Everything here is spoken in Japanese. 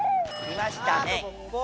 来ましたね。